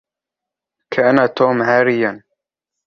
كان توم عاريًا.